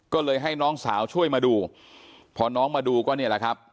ก็เลยให้น้องสาวช่วยมาดูพอน้องมาดูก็เนี่ยแหละครับ